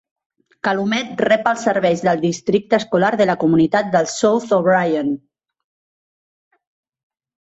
Calumet rep els serveis del districte escolar de la comunitat de South O'Brien.